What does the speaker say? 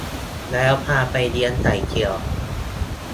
แล้วพาไปเลี้ยงไข่เจียว